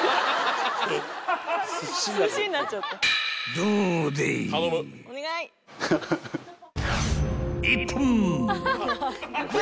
［どうでい］